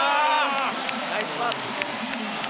ナイスパス！